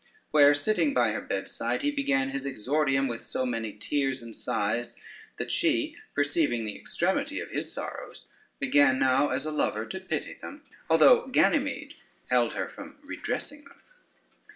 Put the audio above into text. Where sitting by her bedside he began his exordium with so many tears and sighs, that she, perceiving the extremity of his sorrows, began now as a lover to pity them, although Ganymede held her from redressing them.